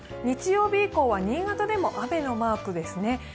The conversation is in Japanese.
日曜日以降は新潟でも雨のマークですね。